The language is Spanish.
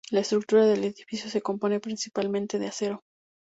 La estructura del edificio se compone principalmente de acero.